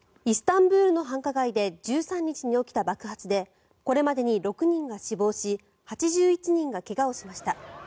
イスタンブールの繁華街で１３日に起きた爆発でこれまでに６人が死亡し８１人が怪我をしました。